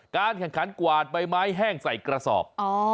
การแข่งขันกวาดใบไม้แห้งใส่กระสอบ